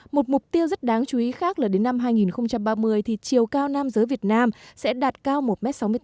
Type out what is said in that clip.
một mục tiêu rất đáng chú ý khác là đến năm hai nghìn ba mươi thì chiều cao nam giới việt nam sẽ đạt cao một m sáu mươi tám